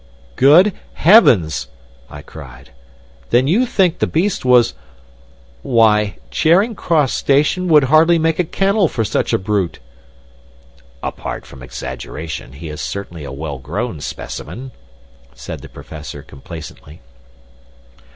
"Good heavens!" I cried. "Then you think the beast was Why, Charing Cross station would hardly make a kennel for such a brute!" "Apart from exaggeration, he is certainly a well grown specimen," said the Professor, complacently.